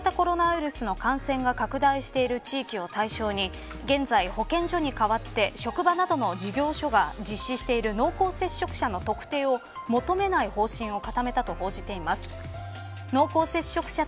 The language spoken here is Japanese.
また今日の毎日新聞ですが厚生労働省は新型コロナウイルスの感染が拡大してる地域を対象に現在、保健所に代わって職場などの事業所が実施している濃厚接触者の特定を求めない方針を固めたと報じています。